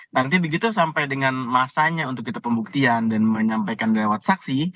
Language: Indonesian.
nanti begitu sampai dengan masanya untuk kita pembuktian dan menyampaikan lewat saksi